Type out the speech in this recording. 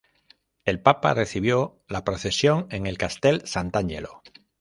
El Papa recibió la procesión en el Castel Sant'Angelo.